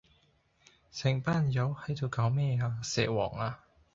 成班友喺度搞咩呀？蛇王呀？